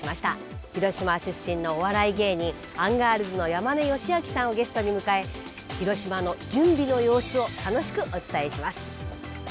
広島出身のお笑い芸人アンガールズの山根良顕さんをゲストに迎え広島の準備の様子を楽しくお伝えします。